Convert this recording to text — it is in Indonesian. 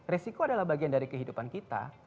resiko adalah bagian dari kehidupan kita